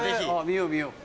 見よう見よう。